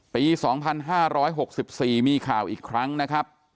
ปี๒๕๖๔มีข่าวอีกครั้งนะครับ